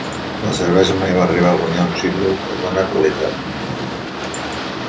La cervesa mai va arribar a guanyar un símbol de bona qualitat.